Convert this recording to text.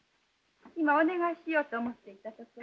今お願いしようと思っていたところ。